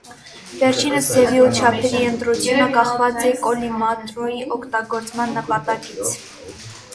Վերջինիս ձևի ու չափերի ընտրությունը կախված է կոլիմատորի օգտագործման նպատակից։